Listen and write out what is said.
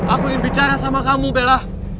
aku ingin bicara sama kamu bella